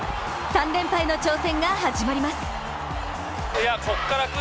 ３連覇への挑戦が始まります。